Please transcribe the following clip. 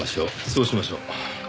そうしましょう。